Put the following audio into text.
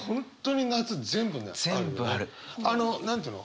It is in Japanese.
あの何て言うの？